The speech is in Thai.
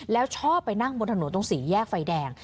แล้วชอบไปนั่งบนถนนตรงสี่แยกไฟแดง